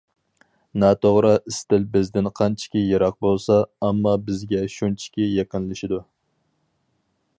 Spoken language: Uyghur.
ناتوغرا ئىستىل بىزدىن قانچىكى يىراق بولسا، ئامما بىزگە شۇنچىكى يېقىنلىشىدۇ.